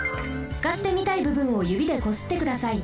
すかしてみたいぶぶんをゆびでこすってください。